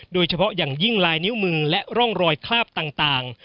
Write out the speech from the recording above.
โดยเฉพาะอย่างยิ่งลายนิ้วมือและร่องรอยคราบต่าง